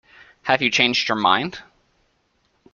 Have you changed your mind?